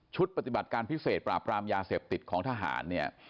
ปฏิบัติการพิเศษปราบรามยาเสพติดของทหารเนี่ย